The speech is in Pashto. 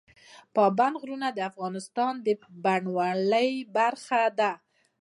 پابندی غرونه د افغانستان د بڼوالۍ برخه ده.